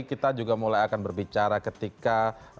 kita juga mulai akan berbicara ketika